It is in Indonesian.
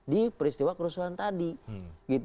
di peristiwa kerusuhan tadi